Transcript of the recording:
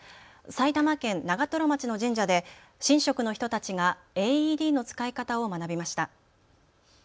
埼玉県長瀞町の神社で神職の人たちがＡＥＤの使い方を学びました。